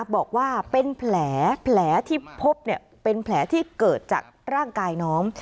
บอกว่าเป็นแผลที่พบเป็นแผลที่เกิดจากร่างกายน้อง